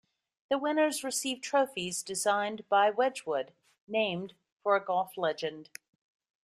The winners receive trophies designed by Wedgwood named for a golf legend.